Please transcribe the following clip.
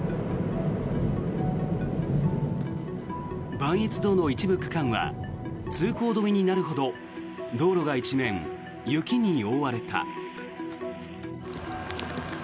磐越道の一部区間は通行止めになるほど道路が一面、雪に覆われた。